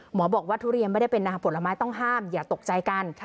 หมอบอกว่าทุเรียนไม่ได้เป็นน้ำผลไม้ต้องห้ามอย่าตกใจกัน